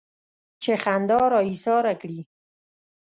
چې خندا را ايساره کړي.